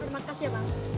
makasih ya bang